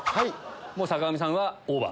もう坂上さんはオーバー？